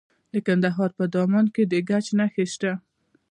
د کندهار په دامان کې د ګچ نښې شته.